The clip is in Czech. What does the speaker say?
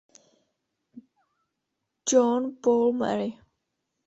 John Paul Mary.